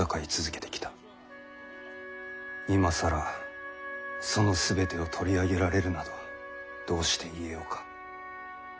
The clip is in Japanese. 今更その全てを取り上げられるなどどうして言えようか。